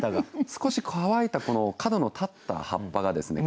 少し乾いた角の立った葉っぱがですね